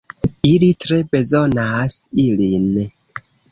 Ili tre bezonas ilin.